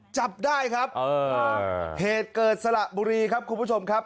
จับได้ครับเหตุเกิดสระบุรีครับคุณผู้ชมครับ